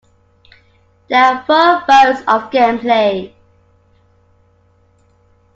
There are four modes of gameplay.